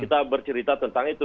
kita bercerita tentang itu